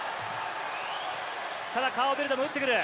ただ、カーボベルデも打ってくる。